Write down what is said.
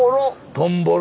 トンボロ。